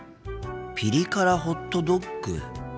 ピリ辛ホットドッグ。